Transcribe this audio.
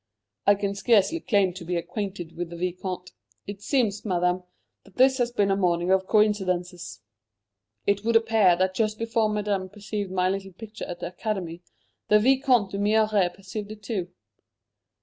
"I can scarcely claim to be acquainted with the Vicomte. It seems, Madame, that this has been a morning of coincidences. It would appear that just before Madame perceived my little picture at the Academy, the Vicomte d'Humières perceived it too."